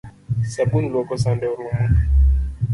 Sabun luoko sande orumo